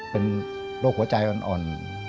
เป็นโรคหัวใจอ่อน